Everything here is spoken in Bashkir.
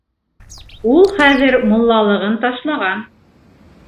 Ул хәҙер муллалығын ташлаған.